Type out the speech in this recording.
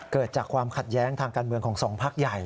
เกิดจากความขัดแย้งทางการเมืองของสองพักใหญ่